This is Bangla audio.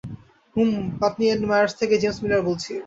হুম, পাটনি এন্ড মায়ার্স থেকে জেমস মিলার বলছি।